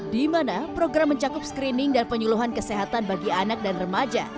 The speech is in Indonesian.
di mana program mencakup screening dan penyuluhan kesehatan bagi anak dan remaja